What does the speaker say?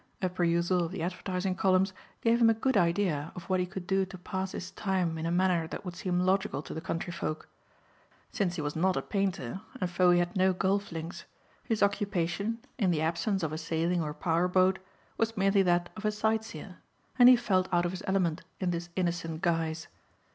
A perusal of the advertising columns gave him a good idea of what he could do to pass his time in a manner that would seem logical to the countryfolk. Since he was not a painter, and Fowey had no golf links, his occupation in the absence of a sailing or power boat was merely that of a sightseer and he felt out of his element in this innocent guise.